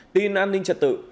tin an ninh trật tự